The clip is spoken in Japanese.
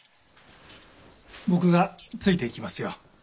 僕がついていきますよ。